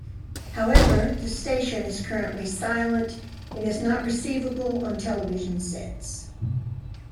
However, the station is currently silent, and is not receivable on television sets.